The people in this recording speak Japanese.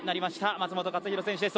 松元克央選手です。